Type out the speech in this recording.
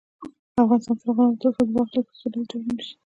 افغانستان تر هغو نه ابادیږي، ترڅو د واک لیږد په سوله ییز ډول ونشي.